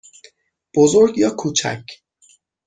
بزرگ یا کوچک؟